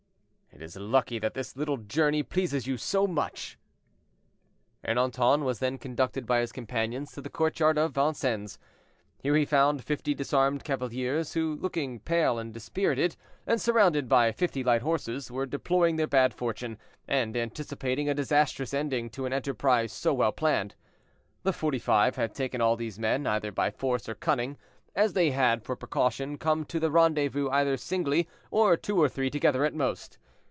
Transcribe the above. "It is lucky that this little journey pleases you so much." Ernanton was then conducted by his companions to the courtyard of Vincennes. Here he found fifty disarmed cavaliers, who, looking pale and dispirited, and surrounded by fifty light horse, were deploring their bad fortune, and anticipating a disastrous ending to an enterprise so well planned. The Forty five had taken all these men, either by force or cunning, as they had, for precaution, come to the rendezvous either singly, or two or three together at most.